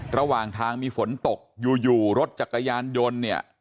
ระหว่างทางมีฝนตกอยู่รถจักรยานยนต์เนี่ย